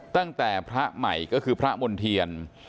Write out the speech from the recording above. ตั้งแต่พระใหม่ก็คือพระมณ์เทียน